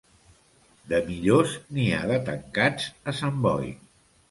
De millors, n'hi ha de tancats a Sant Boi.